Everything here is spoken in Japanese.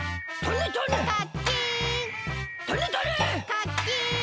カッキン！